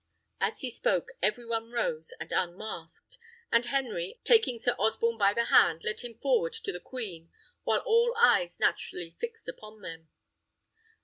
As he spoke, every one rose and unmasked; and Henry, taking Sir Osborne by the hand, led him forward to the queen, while all eyes naturally fixed upon him.